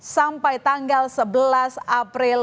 sampai tanggal sebelas april